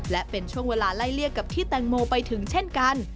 และเป็นช่วงเวลาไล่เลี่ยกับที่แตงโมไปถึงเช่นกัน